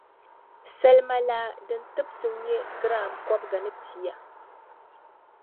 salima laa din tibisim nyɛ giram kɔbiga ni pia.